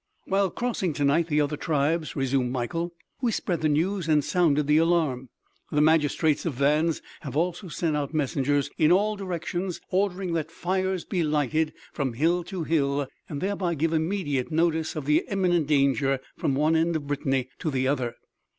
"While crossing to night the other tribes," resumed Mikael, "we spread the news and sounded the alarm. The magistrates of Vannes have also sent out messengers in all direction ordering that fires be lighted from hill to hill, and thereby give immediate notice of the imminent danger from one end of Britanny to the other."